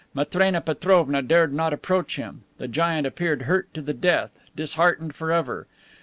Matrena Petrovna dared not approach him. The giant appeared hurt to the death, disheartened forever.